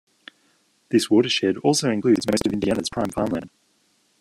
This watershed also includes most of Indiana's prime farm land.